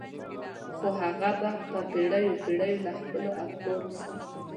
خو هغه به په پېړيو پېړيو له خپلو افکارو سره.